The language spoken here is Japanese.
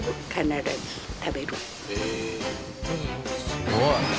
すごい！